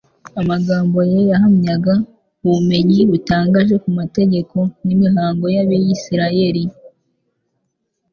Amagambo ye yahamyaga ubumenyi butangaje ku mategeko n'imihango y'abisiraeli,